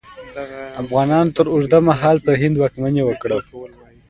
افغانانو تر اوږده مهال پر هند واکمني وکړه.